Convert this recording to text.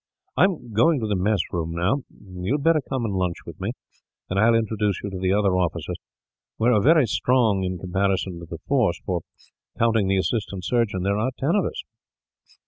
"I am going to the mess room, now. You had better come and lunch with me, and I will introduce you to the other officers. We are very strong in comparison to the force for, counting the assistant surgeon, there are ten of us."